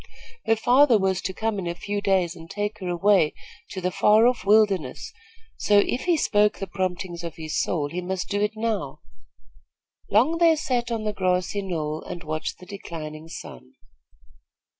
Her father was to come in a few days and take her away to the far off wilderness, so, if he spoke the promptings of his soul, he must do it now. Long they sat on the grassy knoll and watched the declining sun.